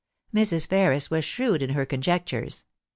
* Mrs. Ferris was shrewd in her conjectures.